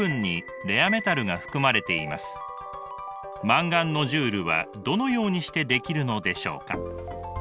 マンガンノジュールはどのようにしてできるのでしょうか？